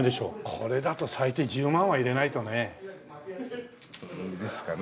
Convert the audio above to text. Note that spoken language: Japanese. これだと最低１０万は入れないとね。ですかね。